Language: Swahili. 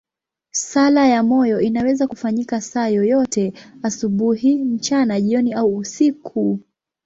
Sala ya moyo inaweza kufanyika saa yoyote, asubuhi, mchana, jioni au usiku.